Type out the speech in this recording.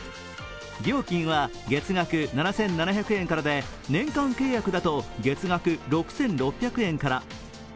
料金は月額７７００円からで年間契約だと月額６６００円から。